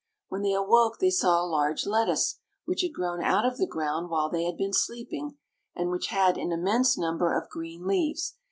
When they awoke they saw a large lettuce, which had grown out of the ground while they had been sleeping, and which had an immense number of green leaves.